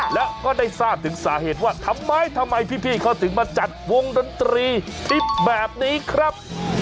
แล้วก็ได้ทราบถึงสาเหตุว่าทำไมทำไมพี่เขาถึงมาจัดวงดนตรีทิพย์แบบนี้ครับ